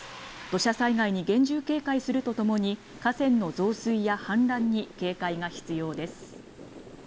土砂災害に厳重警戒するとともに河川の増水や氾濫に警戒が必要です